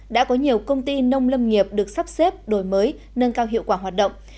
đã có nhiều công ty nông lâm nghiệp được sắp xếp đổi mới nâng cao hiệu quả hoạt động